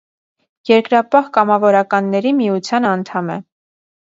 Երկրապահ կամավորականների միության անդամ է։